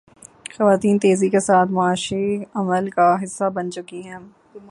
خواتین تیزی کے ساتھ معاشی عمل کا حصہ بن چکی ہیں۔